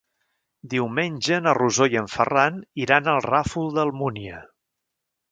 Diumenge na Rosó i en Ferran iran al Ràfol d'Almúnia.